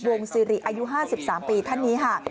สิริอายุ๕๓ปีท่านนี้ค่ะ